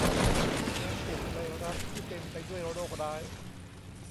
การติดไวรัสที่เต็มไปด้วยโรคร้าย